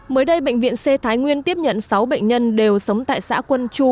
mới đây bệnh viện c thái nguyên tiếp nhận sáu bệnh nhân đều sống tại xã quân chu